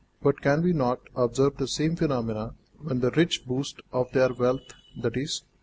But can we not observe the same phenomenon when the rich boast of their wealth, i.e.